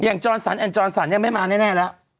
อย่างจอนสันแอนด์จอนสันยังไม่มาแน่แล้ว